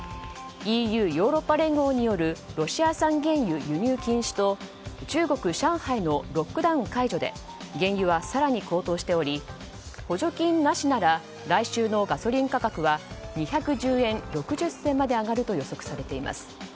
ＥＵ・ヨーロッパ連合によるロシア産原油輸入禁止と中国・上海のロックダウン解除で原油は更に高騰しており補助金なしなら来週のガソリン価格は２１０円６０銭まで上がると予測されています。